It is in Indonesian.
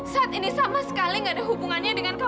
saad ini sama sekali nggak ada hubungannya dengan kamu